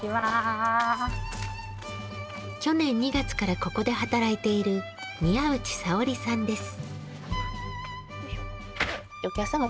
去年２月からここで働いている宮内沙織さんです。